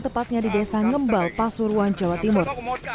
tepatnya di desa ngembal pasuruan jawa timur